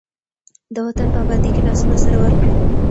د وطن په ابادۍ کې لاسونه سره ورکړئ.